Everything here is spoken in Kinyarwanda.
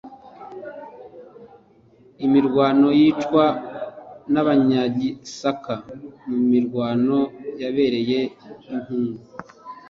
imirwano yicwa n abanyagisaka mu mirwano yabereye i nkungu